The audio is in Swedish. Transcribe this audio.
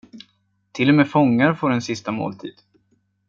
Till och med fångar får en sista måltid.